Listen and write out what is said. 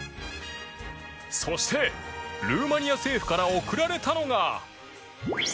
そして、ルーマニア政府から贈られたのが。